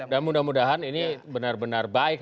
dan mudah mudahan ini benar benar baik